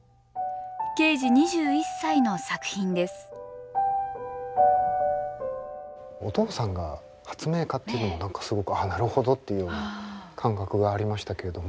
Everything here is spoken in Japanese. ケージ２１歳の作品ですお父さんが発明家っていうのも何かすごくなるほどっていう感覚がありましたけれども。